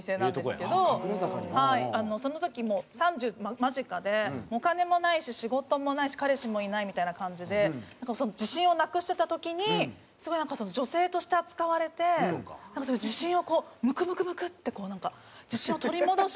その時もう３０間近でお金もないし仕事もないし彼氏もいないみたいな感じですごく自信をなくしてた時にすごいなんか女性として扱われてなんかすごい自信をこうムクムクムクってこうなんか自信を取り戻して。